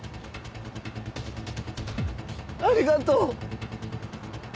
ありがとう。